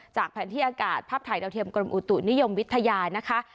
แผนที่อากาศภาพถ่ายดาวเทียมกรมอุตุนิยมวิทยานะคะ